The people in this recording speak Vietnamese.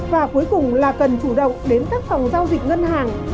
và cuối cùng là cần chủ động đến các phòng giao dịch ngân hàng